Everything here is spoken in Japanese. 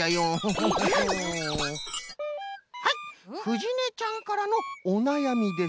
はいふじねちゃんからのおなやみです。